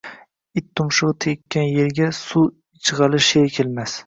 It tumshug‘i tekkan yerga suv ichg‘ali sher kelmas